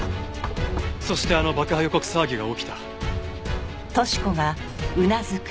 そしてあの爆破予告騒ぎが起きた。